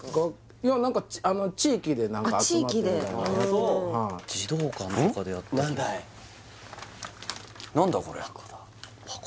いや何か地域で集まってみたいなあ地域で児童館とかでやった何だい？